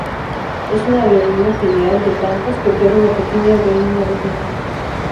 Es una aerolínea filial de Qantas que opera una pequeña aerolínea regional.